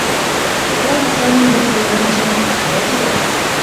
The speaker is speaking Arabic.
كان سامي يمثّل أهمّ شيء في حياة ليلى.